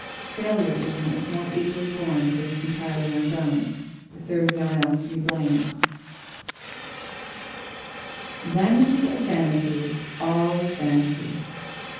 Failure, even, is more easily borne if it is entirely one's own; if there is no one else to be blamed. [Sidenote: The Bitter Proof] "Vanity of vanities, all is vanity."